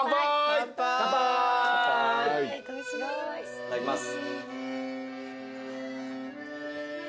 いただきます。